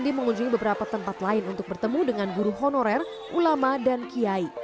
dan berjumpa dengan beberapa tempat lain untuk bertemu dengan guru honorer ulama dan kiai